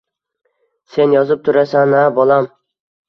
Sen yozib turasan-a bolam? ”